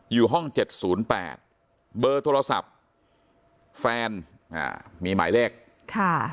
อยู่ห้องเจ็ดศูนย์แปดเบอร์โทรศัพท์แฟนอ่ามีหมายเลขค่ะ